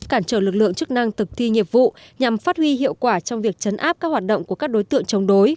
cản trở lực lượng chức năng thực thi nhiệm vụ nhằm phát huy hiệu quả trong việc chấn áp các hoạt động của các đối tượng chống đối